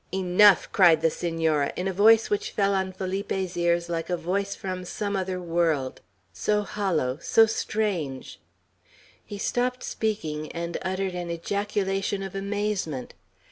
"Enough!" cried the Senora, in a voice which fell on Felipe's ears like a voice from some other world, so hollow, so strange. He stopped speaking, and uttered an ejaculation of amazement.